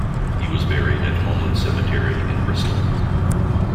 He was buried at Homeland Cemetery in Bristol.